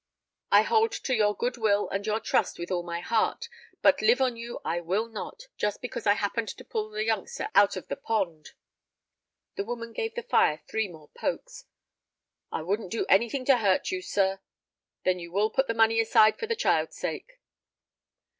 I hold to your good will and your trust with all my heart, but live on you I will not, just because I happened to pull the youngster out of the pond." The woman gave the fire three more pokes. "I wouldn't do anything to hurt you, sir." "Then you will put the money aside for the child's sake."